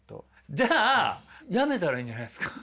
じゃあ辞めたらいいんじゃないですか。